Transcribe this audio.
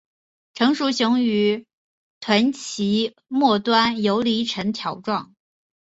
成熟雄鱼的臀鳍末端游离呈条状。